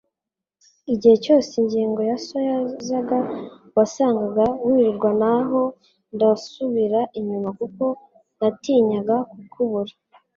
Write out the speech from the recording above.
Igihe cyose ingingo ya so yazaga, wasangaga wirwanaho ndasubira inyuma kuko natinyaga kukubura.